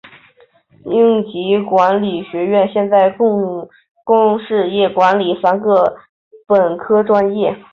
应急管理学院现有公共事业管理三个本科专业。